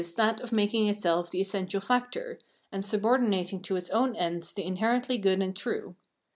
that of making itself the essential factor, and subordinating to its own ends the inherently good and true.